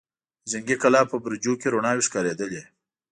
د جنګي کلا په برجونو کې رڼاوې ښکارېدلې.